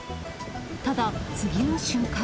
ただ、次の瞬間。